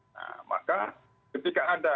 nah maka ketika ada